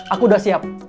aku udah siap